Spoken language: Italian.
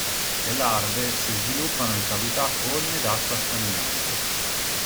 Le larve si sviluppano in cavità colme d'acqua stagnante.